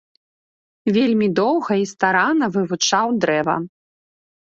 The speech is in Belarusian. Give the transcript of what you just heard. Вельмі доўга і старанна вывучаў дрэва.